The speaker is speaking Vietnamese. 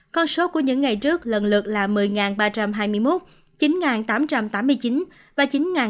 con số của những ngày trước lần lượt là một mươi ba trăm hai mươi một chín tám trăm tám mươi chín và chín năm trăm ba mươi một